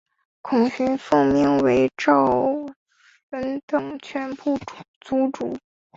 孔循奉命将赵虔等全部族诛。